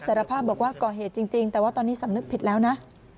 สารภาพบอกว่าก่อเหตุจริงแต่ว่าตอนนี้สำนึกผิดแล้วนะ